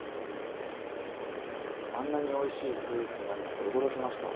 あんなにおいしいスイーツになるなんて驚きました。